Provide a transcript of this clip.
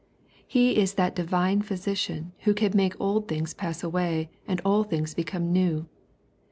He is that divine Physician, who can make old things pass away and all things become new.